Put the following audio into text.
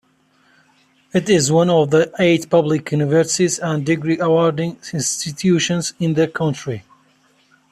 It is one of the eight public universities and degree-awarding institutions in the country.